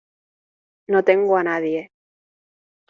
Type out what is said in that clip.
no tengo a nadie.